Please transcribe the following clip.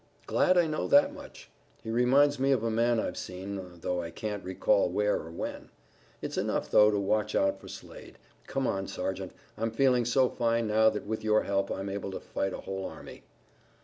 "Glad I know that much. He reminds me of a man I've seen, though I can't recall where or when. It's enough, though, to watch out for Slade. Come on, Sergeant, I'm feeling so fine now that with your help I'm able to fight a whole army."